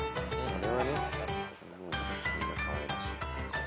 あれ？